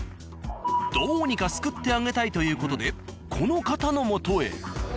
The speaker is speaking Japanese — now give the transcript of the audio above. どうにか救ってあげたいという事でこの方の元へ。